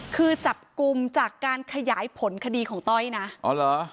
คือจับกลุ่มจากการขยายผลคดีของต้อยนะอ๋อเหรอ